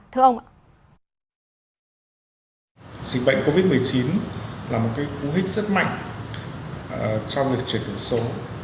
dịch bệnh covid một mươi chín là một cú huyết rất mạnh trong việc chuyển đổi số